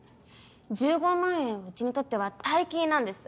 １５万円はうちにとっては大金なんです。